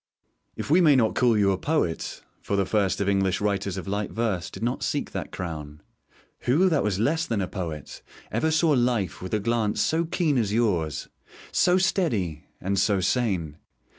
If we may not call you a poet (for the first of English writers of light verse did not seek that crown), who that was less than a poet ever saw life with a glance so keen as yours, so steady, and so sane?